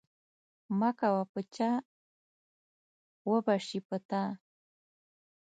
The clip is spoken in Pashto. مه کوه په چا وبه سي په تا.